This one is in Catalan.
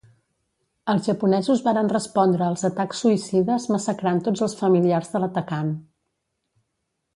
Els japonesos varen respondre als atacs suïcides massacrant tots els familiars de l'atacant.